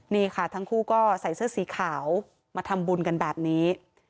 นี่ค่ะทั้งคู่ก็ใส่เสื้อสีขาวมาทำบุญกันแบบนี้